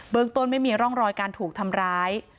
ต้นไม่มีร่องรอยการถูกทำร้าย